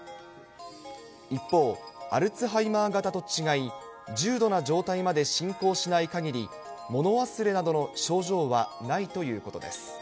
一方、アルツハイマー型と違い、重度な状態まで進行しないかぎり、物忘れなどの症状はないということです。